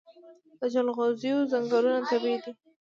د جلغوزیو ځنګلونه طبیعي دي؟